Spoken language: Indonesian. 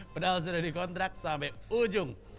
padahal sudah dikontrak sampai ujung